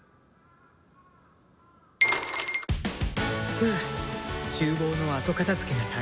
ふぅ厨房の後片づけが大変でした。